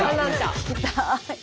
聞きたい。